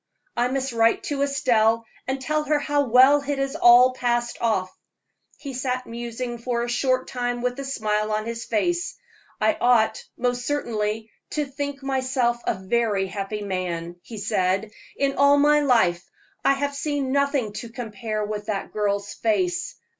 I must write to Estelle and tell her how well it has all passed off." He sat musing for a short time with a smile on his face. "I ought, most certainly, to think myself a very happy man," he said. "In all my life I have seen nothing to compare with that girl's face.